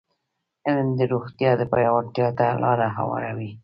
علم د روغتیا پیاوړتیا ته لاره هواروي.